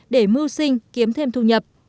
để mưu sinh kiếm thêm thu nhập